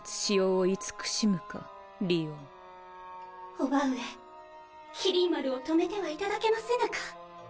伯母上麒麟丸を止めてはいただけませぬか？